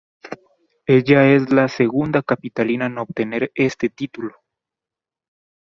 Ella es la segunda Capitalina en obtener este título.